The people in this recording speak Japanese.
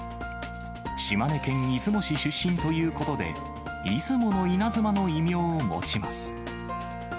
島根県出雲市出身ということで、出雲のイナズマの異名を持ちます。